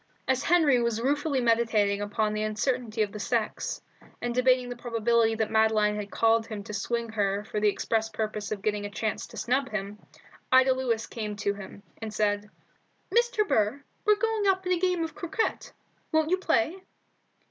As Henry was ruefully meditating upon the uncertainty of the sex, and debating the probability that Madeline had called him to swing her for the express purpose of getting a chance to snub him, Ida Lewis came to him, and said "Mr. Burr, we're getting up a game of croquet. Won't you play?"